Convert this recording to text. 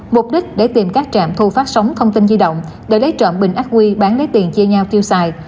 mục đích để tìm các trạm thu phát sóng thông tin di động để lấy trộm bình ác quy bán lấy tiền chia nhau tiêu xài